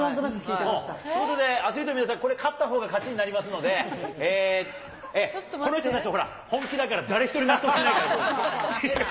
ということでアスリートの皆さん、これ勝ったほうが勝ちになりますので、この人たちはほら、本気だから、誰一人納得しないから。